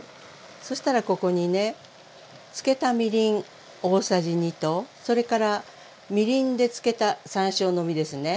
そしたらここにね漬けたみりん大さじ２とそれからみりんで漬けた山椒の実ですね